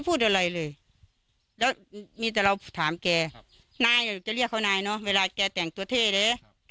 พูดอะไรเลยแล้วมีแต่เราถามแกนายจะเรียกเขานายเนอะเวลาแกแต่งตัวเท่เลย